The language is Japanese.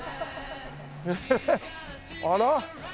あら？